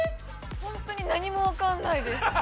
本当に何もわからないです。